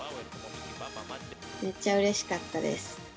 めっちゃうれしかったです。